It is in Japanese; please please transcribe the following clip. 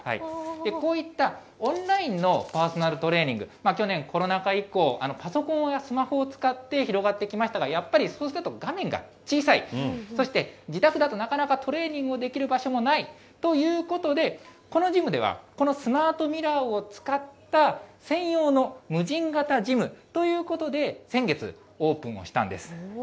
こういったオンラインのパーソナルトレーニング、去年、コロナ禍以降、パソコンやスマホを使って広がってきましたが、やっぱりそうすると、画面が小さい、そして、自宅だと、なかなかトレーニングをできる場所もないということで、このジムでは、このスマートミラーを使った専用の無人型ジムということで、先月、オープンをしたんです。